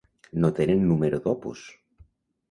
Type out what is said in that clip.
No tenen número d'opus.